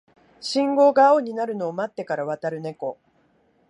信号が青になるのを待ってから渡るネコ